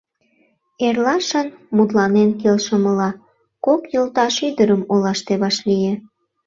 Эрлашын, мутланен келшымыла, кок йолташ ӱдырым олаште вашлие.